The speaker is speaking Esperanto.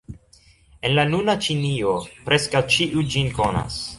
En la nuna Ĉinio, preskaŭ ĉiu ĝin konas.